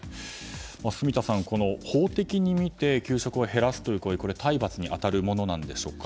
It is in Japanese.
住田さん、法的に見て給食を減らすというのは体罰に当たるものでしょうか。